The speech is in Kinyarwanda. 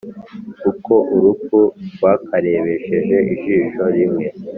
” uko urupfu rwakarebesheje ijisho rimwe